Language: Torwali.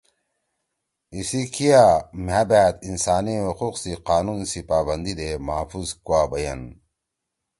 اسی کیا مھأ بأت انسانی حقوق سی قانون سی پاپندی دے محفوظ کُوا بیَن۔